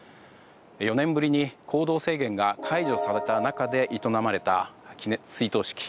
４年ぶりに行動制限が解除された中で営まされた追悼式。